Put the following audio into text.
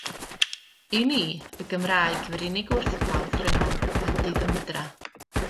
I ni, y Gymraeg yw'r unig wrthglawdd rhyngom a diddymdra.